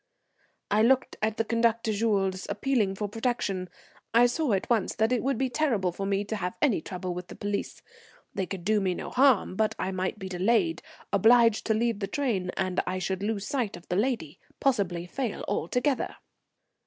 I looked at the conductor Jules, appealing for protection. I saw at once that it would be terrible for me to have any trouble with the police. They could do me no harm, but I might be delayed, obliged to leave the train, and I should lose sight of the lady, possibly fail altogether.